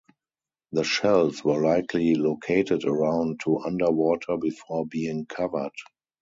The shells were likely located around to underwater before being covered.